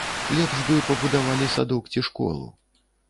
Лепш бы пабудавалі садок ці школу.